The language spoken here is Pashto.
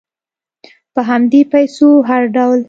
په همدې پیسو هر ډول